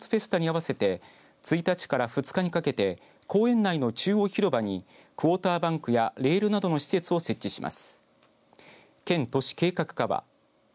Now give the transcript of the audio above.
いわせスポーツフェスタに合わせて１日から２日にかけて公園内の中央広場にクォーターバンクやレールなどの施設を設置します。